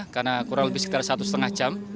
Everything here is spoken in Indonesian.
karena kurang lebih sekitar satu setengah jam